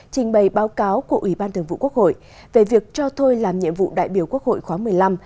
trình bày báo cáo của ủy ban thường vụ quốc hội về việc cho thôi làm nhiệm vụ đại biểu quốc hội khóa một mươi năm